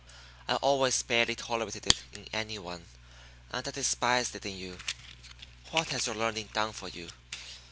I always barely tolerated it in any one, and I despised it in you. What has your learning done for you?